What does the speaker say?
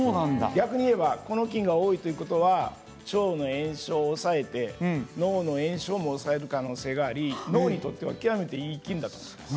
逆に言えばこの菌が多いということは腸の炎症を抑えて脳の炎症も抑える可能性があり脳にとっては極めていい菌だと思います。